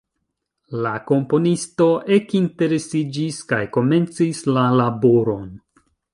La komponisto ekinteresiĝis kaj komencis la laboron.